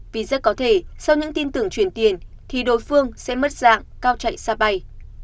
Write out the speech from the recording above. vì rất có thể sau những tin tưởng chuyển tiền thì đồ phương sẽ mất dạng cao chạy xa bay